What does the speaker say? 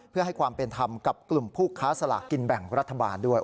เพื่อให้ความเป็นธรรมกับกลุ่มผู้ค้าสลากกินแบ่งรัฐบาลด้วย